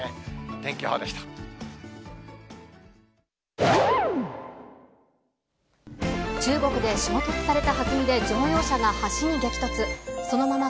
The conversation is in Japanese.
天気予報でした。